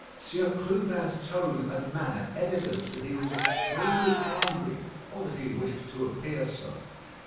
Sieur Clubin's tone and manner evidenced that he was extremely angry, or that he wished to appear so.